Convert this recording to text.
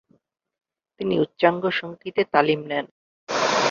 তিনি উচ্চাঙ্গ সঙ্গীতে তালিম নেন।